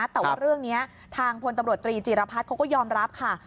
แต่ว่าเรื่องนี้ทางพลตำรวจตรีจีรพัฒน์เขาก็ยอมรับค่ะ